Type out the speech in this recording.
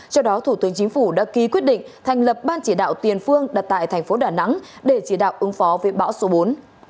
trước đó thủ tướng chính phủ đã ký quyết định thành lập ban chỉ đạo tiền phương đặt tại thành phố đà nẵng để chỉ đạo ứng phó với bão số bốn